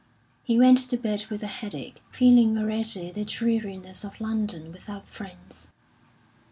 He went to bed with a headache, feeling already the dreariness of London without friends.